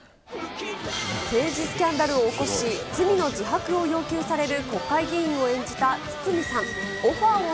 政治スキャンダルを起こし、罪の自白を要求される国会議員を演じた堤さん。